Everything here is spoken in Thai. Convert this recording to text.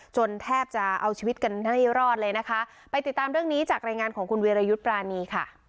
แทบจะเอาชีวิตกันให้รอดเลยนะคะไปติดตามเรื่องนี้จากรายงานของคุณวีรยุทธ์ปรานีค่ะ